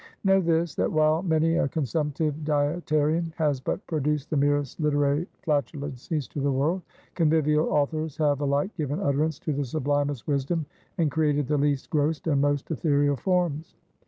Know this: that while many a consumptive dietarian has but produced the merest literary flatulencies to the world; convivial authors have alike given utterance to the sublimest wisdom, and created the least gross and most ethereal forms.